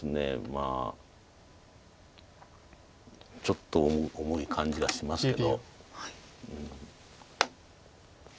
まあちょっと重い感じがしますけど。